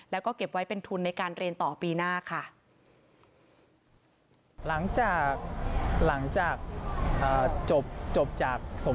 แล้วก็เก็บไว้เป็นทุนในการเรียนต่อปีหน้าค่ะ